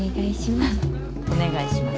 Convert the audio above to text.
お願いします。